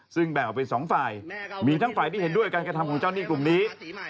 ซึ่งแบ่งออกเป็นสองฝ่ายมีทั้งฝ่ายที่เห็นด้วยการกระทำของเจ้าหนี้กลุ่มนี้